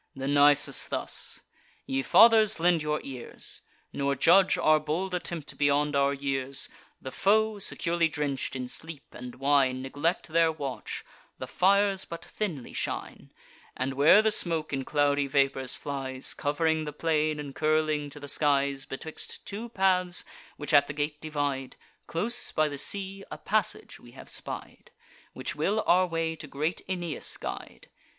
Then Nisus thus: "Ye fathers, lend your ears; Nor judge our bold attempt beyond our years. The foe, securely drench'd in sleep and wine, Neglect their watch; the fires but thinly shine; And where the smoke in cloudy vapours flies, Cov'ring the plain, and curling to the skies, Betwixt two paths, which at the gate divide, Close by the sea, a passage we have spied, Which will our way to great Aeneas guide.